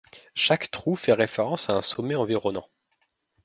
Chaque trou fait référence à un sommet environnant.